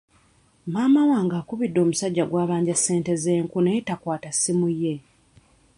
Maama wange akubidde omusajja gw'abanja ssente z'enku naye takwata ssimu ye.